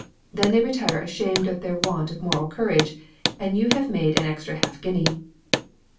Then they retire ashamed of their want of moral courage and you have made an extra half guinea.